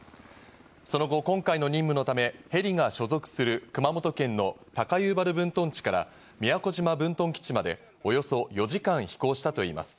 その後、今回の任務のため、ヘリが所属する熊本県の高遊原分屯地から宮古島分屯基地まで、およそ４時間飛行したということです。